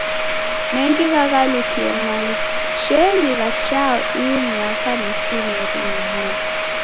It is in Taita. Mengi ghaghalukie maishenyi gha Chao ii miaka mitineri iidie.